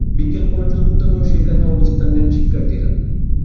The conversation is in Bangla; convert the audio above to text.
বিকেল পর্যন্ত সেখানে অবস্থান নেন শিক্ষার্থীরা।